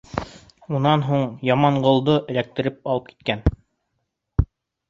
Унан һуң Яманғолдо эләктереп алып киткән.